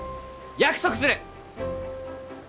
約束する！